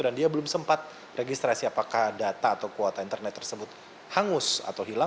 dan dia belum sempat registrasi apakah data atau kuota internet tersebut hangus atau hilang